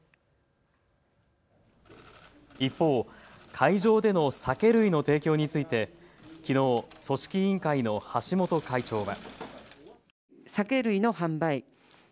一方、会場での酒類の提供についてきのう組織委員会の橋本会長は。